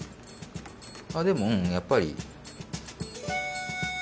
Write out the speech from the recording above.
でもうんやっぱり。